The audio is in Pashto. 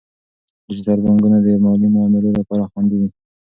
ډیجیټل بانکونه د مالي معاملو لپاره خوندي دي.